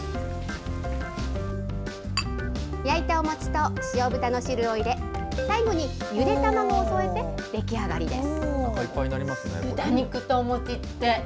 焼いたお餅と塩豚の汁を入れ、最後にゆで卵を添えて出来上がりです。